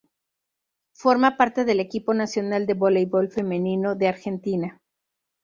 Forma parte del equipo nacional de voleibol femenino de Argentina.